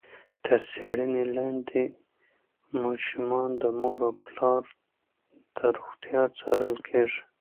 تر څېړنې لاندې ماشومان د مور او پلار د روغتیا څارل کېږي.